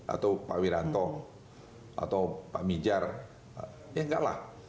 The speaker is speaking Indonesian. atau pak wiranto atau pak mijar ya enggak lah